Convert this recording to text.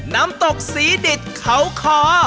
น้ำตกสีดิตเขาคอ